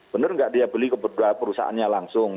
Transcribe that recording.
benar nggak dia beli ke perusahaannya langsung